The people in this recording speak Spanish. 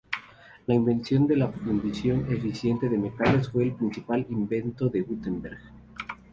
La invención de la fundición eficiente de metales fue el principal invento de Gutenberg.